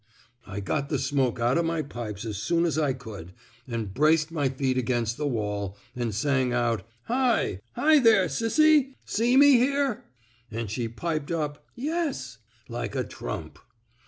I got the smoke out o' my pipes 's soon's I could, an' braced my feet against the wall, an' sang out *HiI Hi, there, sissy I See me here! ' An' she piped up * Yes * like a trump.